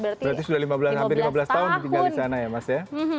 berarti sudah lima belas tahun tinggal di sana ya mas ya